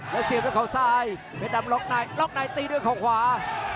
แล้วเสียบด้วยเขาซ้ายเพชรดำล็อกในล็อกในตีด้วยเขาขวา